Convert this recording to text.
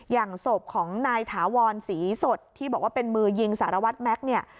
อย่างศพของนายถาวรศรีสดที่บอกว่าเป็นมือยิงสารวัตรแม็กซ์เนี่ย